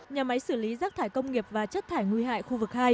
nhà máy xử lý rác thải công nghiệp và chất thải nguy hại khu vực hai